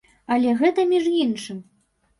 Але гэта між іншым.